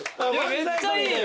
めっちゃいいよ。